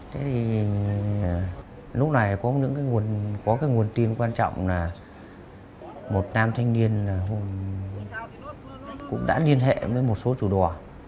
thế thì lúc này có những nguồn tin quan trọng là một nam thanh niên cũng đã liên hệ với một số chủ đò